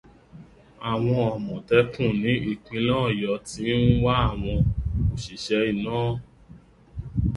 Àwọn Àmọ̀tẹ́kùn ní ìpínlẹ̀ Ọ̀yọ́ ti ń wá àwọn òṣìṣẹ́ iná